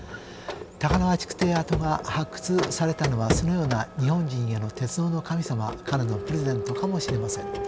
高輪築堤跡が発掘されたのはそのような日本人への鉄道の神様からのプレゼントかもしれません。